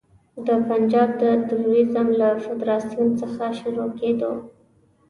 د پنجاب د توریزم له فدراسیون څخه شروع کېدو.